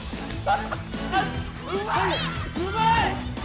うまい！